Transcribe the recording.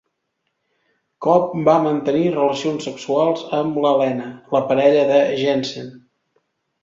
Cobb va mantenir relacions sexuals amb la Lena, la parella de Jensen.